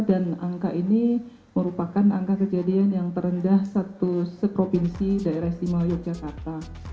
dan angka ini merupakan angka kejadian yang terendah satu seprovinsi daerah istimewa yogyakarta